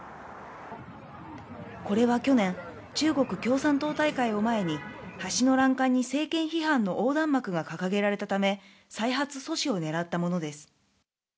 これは去年、中国共産党大会を前に、橋の欄干に政権批判の横断幕が掲げられたため、再発阻止をねらったものです。